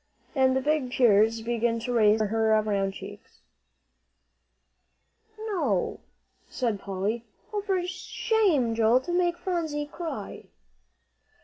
And the big tears began to race over her round cheeks. "No," said Polly. "Oh, for shame, Joel, to make Phronsie cry!"